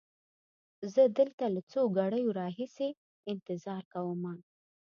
زه دلته له څو ګړیو را هیسې انتظار کومه.